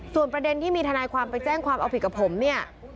ส่วนประเด็นที่มีทนายความไปแจ้งความเอาผิดกับผมเนี่ย